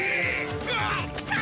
うわっ！来た！